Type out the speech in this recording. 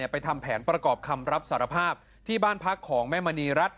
ทำแผนประกอบคำรับสารภาพที่บ้านพักของแม่มณีรัฐ